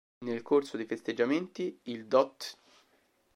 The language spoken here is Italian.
Nel corso dei festeggiamenti il dott.